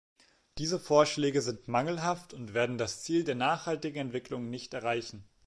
Diese Vorschläge sind mangelhaft und werden das Ziel der nachhaltigen Entwicklung nicht erreichen.